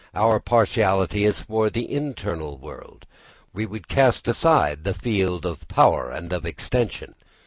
Our partiality is for the internal world. We would cast aside with contumely the field of power and of extension.